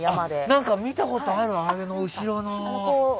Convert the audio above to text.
何か見たことある、後ろの。